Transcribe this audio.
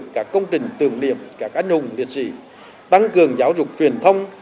các công trình tường điệp các anh hùng liệt sĩ tăng cường giáo dục truyền thông